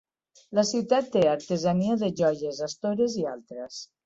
La ciutat té artesania de joies, estores i altres.